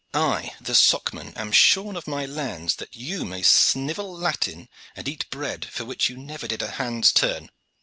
I, the Socman, am shorn of my lands that you may snivel Latin and eat bread for which you never did hand's turn.